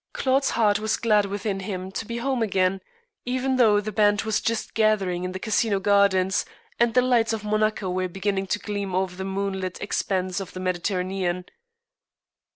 Claude's heart was glad within him to be home again, even though the band was just gathering in the Casino gardens, and the lights of Monaco were beginning to gleam over the moon lit expanse of the Mediterranean.